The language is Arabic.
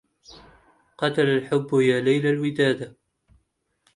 قتل الحب يا ليالي الوداد